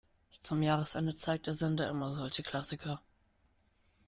Zum Jahresende zeigt der Sender immer solche Klassiker.